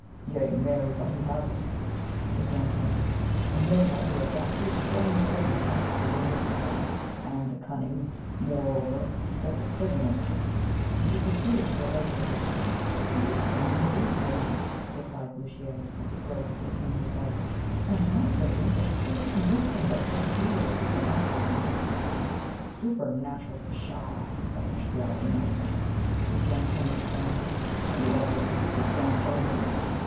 "Yea, marry, but he has escaped," rejoined Henry; "and he has had the audacity to show himself in the castle within this hour, and the cunning, moreover, to set the prisoner free." And he proceeded to relate what had occurred. "This is strange indeed, my liege," replied Bouchier, at the close of the king's recital, "and to my thinking, is proof convincing that we have to do with a supernatural being." "Supernatura! pshaw! banish the idle notion," rejoined Henry sternly. "We are all the dupes of some jugglery.